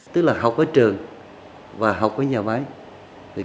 tức là học ở trường và học ở nhà máy